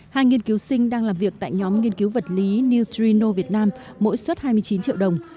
hai nghiên cứu sinh đang làm việc tại nhóm nghiên cứu vật lý neutrino việt nam mỗi suất hai mươi chín triệu đồng